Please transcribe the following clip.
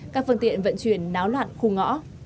các phương tiện vận chuyển náo loạn khu ngõ